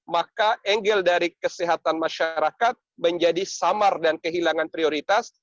maka angle dari kesehatan masyarakat menjadi samar dan kehilangan prioritas